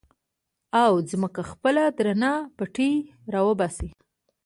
او ځمکه خپل درانه پېټي را وباسي